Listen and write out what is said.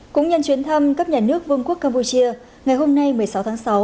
cũng nhân chuyến thăm cấp nhà nước vương quốc campuchia ngày hôm nay một mươi sáu tháng sáu